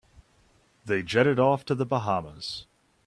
They jetted off to the Bahamas.